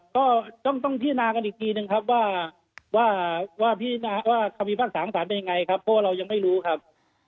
ก็ต้องพินากันอีกทีหนึ่งครับว่าความมีภาคสาหัสเป็นยังไงครับเพราะเรายังไม่รู้ครับ